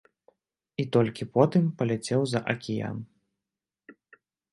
І толькі потым паляцеў за акіян.